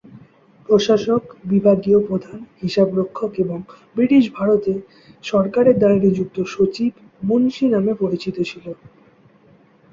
প্রশাসক, বিভাগীয় প্রধান, হিসাবরক্ষক, এবং ব্রিটিশ ভারতে সরকারের দ্বারা নিযুক্ত সচিব, মুন্সি নামে পরিচিত ছিল।